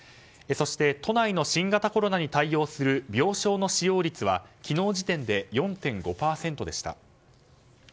そして都内の新型コロナに対応する病床の使用率は昨日時点で４．５％でした。